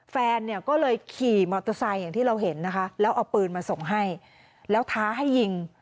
แฟนเนี่ยก็เลยขี่มอเตอร์ไซค์อย่างที่เราเห็นนะคะแล้วเอาปืนมาส่งให้แล้วท้าให้ยิง